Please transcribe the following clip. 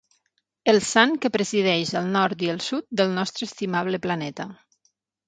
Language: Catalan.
El sant que presideix el nord i el sud del nostre estimable planeta.